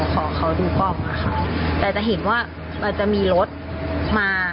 ขอเขาดูกล้องอะค่ะแต่จะเห็นว่ามันจะมีรถมา